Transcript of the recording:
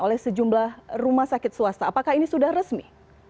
oleh sejumlah rumah sakit swasta apakah ini sudah resmi